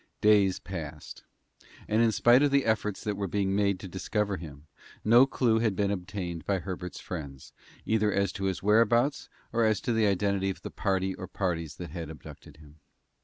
Days passed, and in spite of the efforts that were being made to discover him, no clew had been obtained by Herbert's friends, either as to his whereabouts, or as to the identity of the party or parties hat had abducted him.